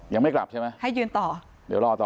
ยังไม่กลับใช่ไหมให้ยืนต่อเดี๋ยวรอต่อ